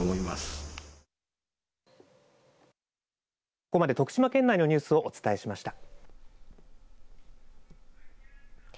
ここまで徳島県内のニュースをお伝えしました。